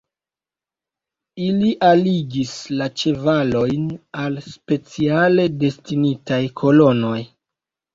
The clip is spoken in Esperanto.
Ili alligis la ĉevalojn al speciale destinitaj kolonoj.